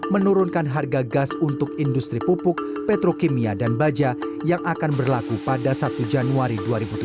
menurunkan harga gas untuk industri pupuk petrokimia dan baja yang akan berlaku pada satu januari dua ribu tujuh belas